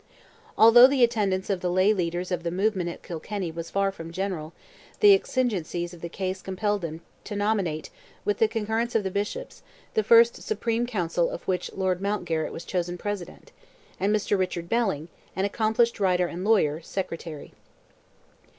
Although the attendance of the lay leaders of the movement at Kilkenny was far from general, the exigencies of the case compelled them, to nominate, with the concurrence of the Bishops, the first Supreme Council of which Lord Mountgarrett was chosen President, and Mr. Richard Belling, an accomplished writer and lawyer, Secretary.